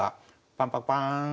パンパンパーン。